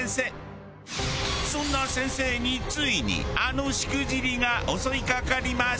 そんな先生についにあのしくじりが襲いかかります。